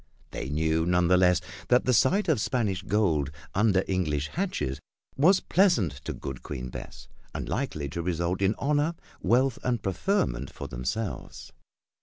They knew, none the less, that the sight of Spanish gold under English hatches was pleasant to good Queen Bess, and likely to result in honor, wealth and preferment for themselves.